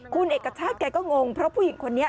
คุณเอกชาติแกก็งงเพราะผู้หญิงคนนี้